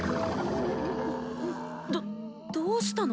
どっどうしたの？